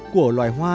của loài hoa